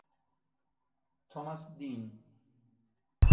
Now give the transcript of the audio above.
Thomas Dean